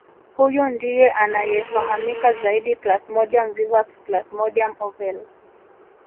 Huyu ndiye anayefahamika zaidi Plasmodium vivax Plasmodium ovale